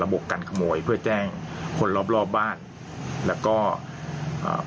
การขโมยเพื่อแจ้งคนรอบรอบบ้านแล้วก็อ่า